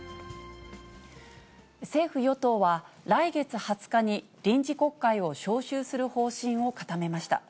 政府・与党は、来月２０日に臨時国会を召集する方針を固めました。